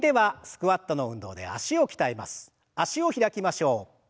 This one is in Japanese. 脚を開きましょう。